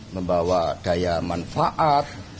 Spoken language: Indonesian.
membawa daya manfaat